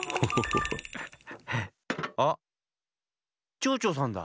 ちょうちょうさんだ。